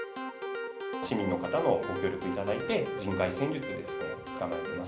市民の方のご協力をいただいて、人海戦術で捕まえています。